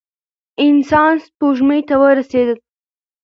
انسان سپوږمۍ ته ورسېد.